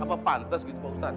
apa pantas gitu pak ustadz